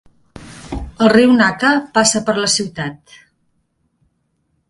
El riu Naka passa per la ciutat.